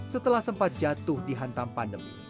setelah sempat jatuh di hantam pandemi